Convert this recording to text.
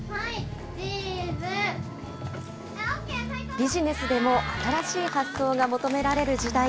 ビジネスでも新しい発想が求められる時代。